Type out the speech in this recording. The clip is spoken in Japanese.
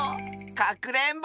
かくれんぼ！